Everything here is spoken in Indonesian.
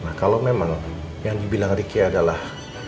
nah kalau memang yang dibilang ricky adalah